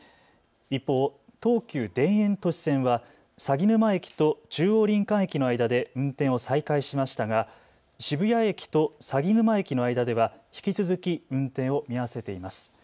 一方、東急田園都市線は鷺沼駅と中央林間駅の間で運転を再開しましたが、渋谷駅と鷺沼駅の間では引き続き運転を見合わせています。